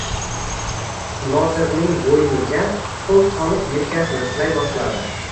Nodirning bo‘yniga qo‘l solib yelkasini silay boshladi.